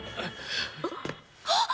あっ。